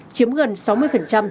chiếm gần sáu mươi